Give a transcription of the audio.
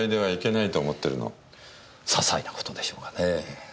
些細な事でしょうかねぇ。